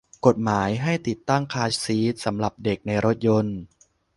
กฎหมายให้ติดตั้งคาร์ซีทสำหรับเด็กในรถยนต์